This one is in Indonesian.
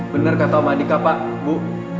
benar kata om adhika pak bu